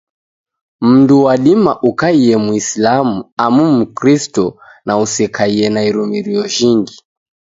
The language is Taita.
Mndu wadima ukaiye Mwisilamu amu Mkristo na usekaiye na irumiro jhingi